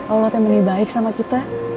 allah temui baik sama kita